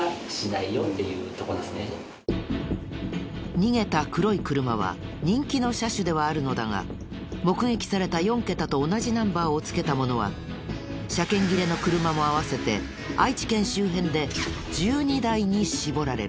逃げた黒い車は人気の車種ではあるのだが目撃された４ケタと同じナンバーをつけたものは車検切れの車も合わせて愛知県周辺で１２台に絞られる。